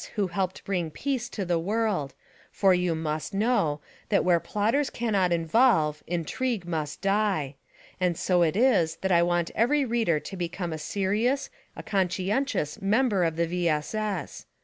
who helped bring peace to the world, for yoii must know: That where plotters cannot involve, intrigue mus't die; and so it is that I want every reader to become a serious, a conscientious member of the V. S. S.